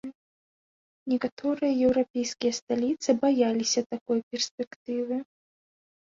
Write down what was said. Некаторыя еўрапейскія сталіцы баяліся такой перспектывы.